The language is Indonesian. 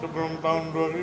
pertama kali saya mengambil